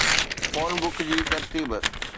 phone book جي ترتيب